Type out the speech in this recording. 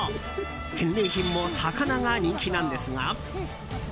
返礼品も魚が人気なんですが。